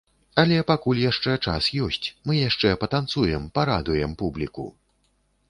Але пакуль яшчэ час ёсць, мы яшчэ патанцуем, парадуем публіку!